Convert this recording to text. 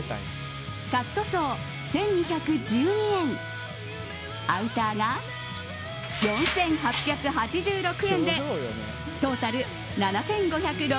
カットソー、１２１２円アウターが４８８６円でトータル７５６０円。